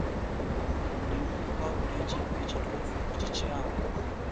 Olina okwawula ekintu ekituufu ku kikyamu.